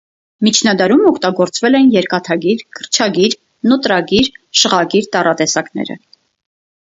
Միջնադարում օգտագործվել են երկաթագիր, գրչագիր, նոտրգիր, շղագիր տառատեսակները։